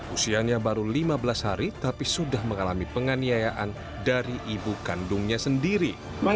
usianya baru lima belas hari tapi sudah mengalami penganiayaan dari ibu kandungnya sendiri